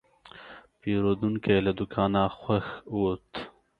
پیرودونکی له دوکانه خوښ ووت.